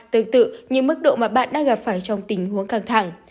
tương tự như mức độ mà bạn đang gặp phải trong tình huống căng thẳng